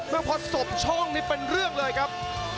เพราะพสบช่องเป็นเรื่องเลยครับ